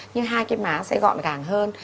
nhưng hai cái má sẽ gọn gàng hơn